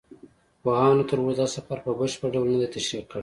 پوهانو تر اوسه دا سفر په بشپړ ډول نه دی تشریح کړی.